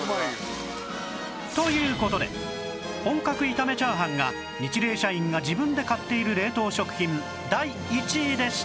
という事で本格炒め炒飯がニチレイ社員が自分で買っている冷凍食品第１位でした